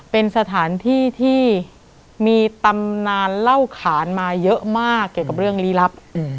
เป็นสถานที่ที่มีตำนานเล่าขานมาเยอะมากเกี่ยวกับเรื่องลี้ลับ